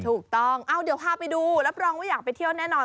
ถูกต้องเอาเดี๋ยวพาไปดูรับรองว่าอยากไปเที่ยวแน่นอน